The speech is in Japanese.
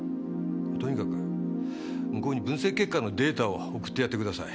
とにかく向こうに分析結果のデータを送ってやってください。